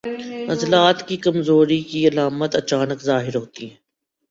عضلات کی کمزوری کی علامات اچانک ظاہر ہوتی ہیں